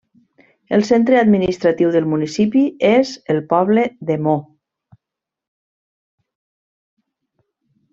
El centre administratiu del municipi és el poble de Mo.